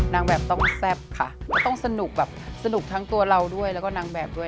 นางแบบต้องแซ่บค่ะต้องสนุกแบบสนุกทั้งตัวเราด้วยแล้วก็นางแบบด้วย